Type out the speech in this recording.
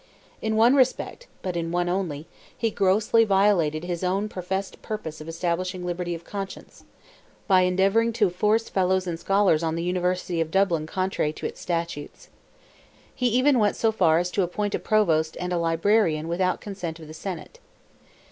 In one respect—but in one only—he grossly violated his own professed purpose of establishing liberty of conscience, by endeavouring to force fellows and scholars on the University of Dublin contrary to its statutes. He even went so far as to appoint a provost and librarian without consent of the senate.